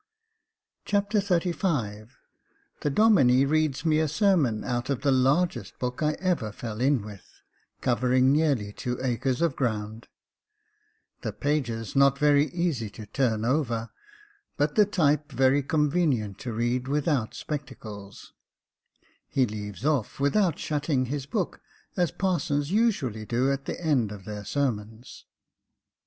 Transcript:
Chapter XXXV The Domine reads me a sermon out of the largest book I ever fell in with, covering nearly two acres of ground — The pages not very easy to turn over, but the type very convenient to read without spectacles — He leaves off without shutting his book, as parsons usually do at the end of their sermons.